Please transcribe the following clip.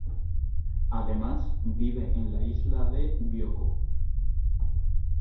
Además, vive en la isla de Bioko.